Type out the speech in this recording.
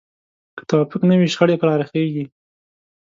که توافق نه وي، شخړې پراخېږي.